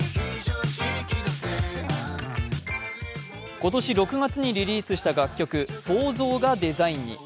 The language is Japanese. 今年６月にリリースした楽曲「創造」がデザインに。